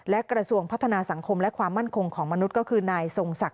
และกระทรวงพัฒนาสังคมและความมั่นคงของมนุษย์